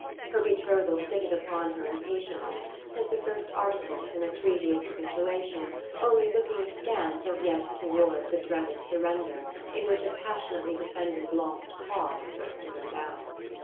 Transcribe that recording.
Her betrothal fitted upon her impatiently, like the first articles in a treaty of capitulation only looking askance as yet towards a dreaded surrender in which a passionately defended lost cause was to go down.